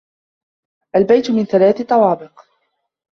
البيت من ثلاث طوابق.